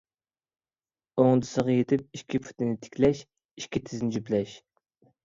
ئوڭدىسىغا يېتىپ، ئىككى پۇتنى تىكلەش، ئىككى تىزنى جۈپلەش.